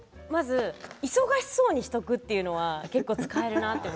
忙しそうにしておくというのは結構、使えるなと。